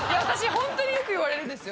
ホントによく言われるんですよ